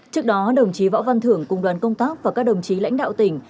trước đó đồng chí võ văn thưởng cùng đoàn công tác và các đồng chí lãnh đạo tỉnh